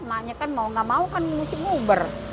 maknya kan mau nggak mau kan mesti nguber